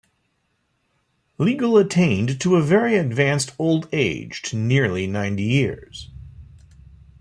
Legal attained to a very advanced old age to nearly ninety years.